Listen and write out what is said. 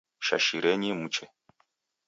Shashirenyi muche